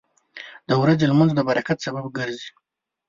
• د ورځې لمونځ د برکت سبب ګرځي.